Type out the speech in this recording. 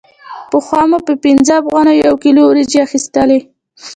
پخوا مو په پنځه افغانیو یو کیلو وریجې اخیستلې